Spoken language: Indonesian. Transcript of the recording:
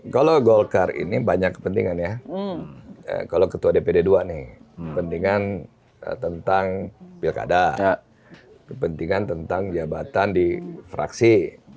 kalau golkar ini banyak kepentingan ya kalau ketua dpd dua nih pentingan tentang pilkada kepentingan tentang jabatan di fraksi